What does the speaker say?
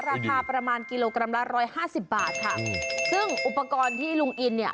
ราคาประมาณกิโลกรัมละร้อยห้าสิบบาทค่ะซึ่งอุปกรณ์ที่ลุงอินเนี่ย